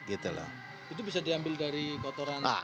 itu bisa diambil dari kotoran